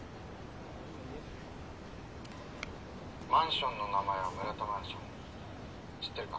「マンションの名前は村田マンション」「知ってるか？」